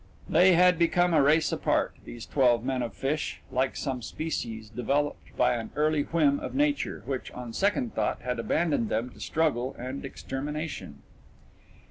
They had become a race apart, these twelve men of Fish, like some species developed by an early whim of nature, which on second thought had abandoned them to struggle and extermination.